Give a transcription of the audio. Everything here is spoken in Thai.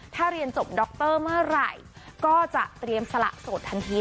ถ้าเรียนจบดรเมื่อไหร่ก็จะเตรียมสละโสดทันที